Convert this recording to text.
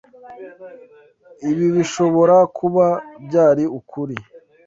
Ibi bishobora kuba byari ukuri.